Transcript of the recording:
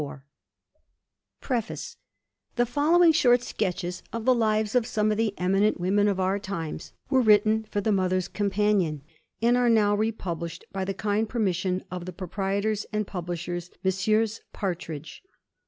AND NEW YORK 1889 All rights reserved PREFACE THE following short sketches of the lives of some of the eminent women of our times were written for The Mothers' Companion, and are now republished by the kind permission of the proprietors and publishers, Messrs. Partridge.